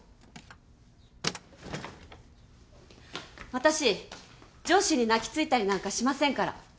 私上司に泣き付いたりなんかしませんから。